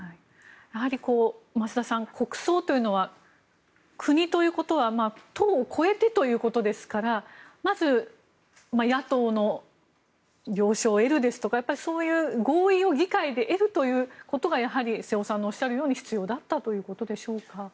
やはり、増田さん国葬というのは国ということは党を超えてということですからまず、野党の了承を得るですとかそういう合意を議会で得るということが瀬尾さんのおっしゃるように必要だったということでしょうか。